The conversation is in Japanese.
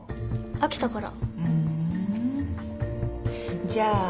飽きたから。